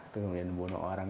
kemudian membunuh orang